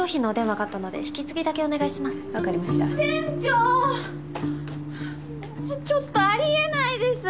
もうちょっとあり得ないです！